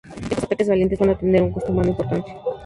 Estos ataques valientes van a tener un coste humano importante.